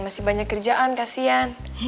masih banyak kerjaan kasian